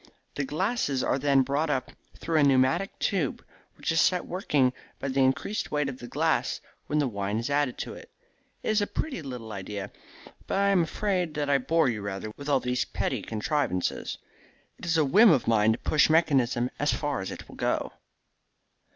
The glasses are then brought up through a pneumatic tube, which is set working by the increased weight of the glass when the wine is added to it. It is a pretty little idea. But I am afraid that I bore you rather with all these petty contrivances. It is a whim of mine to push mechanism as far as it will go."